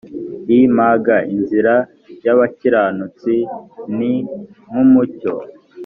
img inzira y abakiranutsi ni nk umucyo